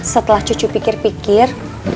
setelah cucu pikir pikir